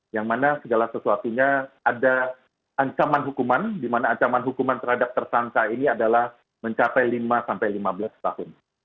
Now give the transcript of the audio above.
yang mana segala sesuatunya ada ancaman hukuman di mana ancaman hukuman terhadap tersangka ini adalah mencapai lima sampai lima belas tahun